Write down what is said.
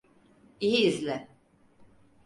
İyi izle.